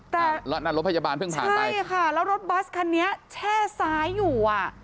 แต่นั่นรถพยาบาลเพิ่งผ่านไปใช่ค่ะแล้วรถบัสคันนี้แช่ซ้ายอยู่อ่ะ